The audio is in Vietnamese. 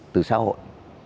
từ xã hội